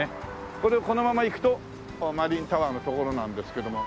これをこのまま行くとマリンタワーの所なんですけども。